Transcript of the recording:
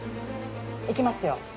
行きますよ。